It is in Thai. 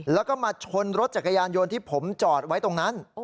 แล้วก็มาชนรถจักรยานยนต์ที่ผมจอดไว้ตรงนั้น